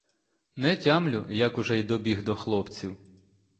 Не тямлю, як уже й добіг до хлопців.